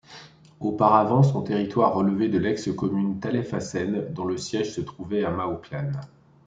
Auparavant, son territoire relevait de l'ex-commune Talaifacene dont le siège se trouvait à Maoklane.